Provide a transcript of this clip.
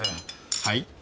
はい？